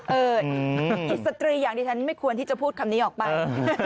สตรีอย่างที่ฉันไม่ควรที่จะพูดคำนี้ออกไป